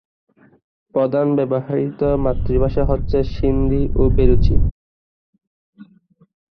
প্রধান ব্যবহৃত মাতৃভাষা হচ্ছে সিন্ধি ও বেলুচি।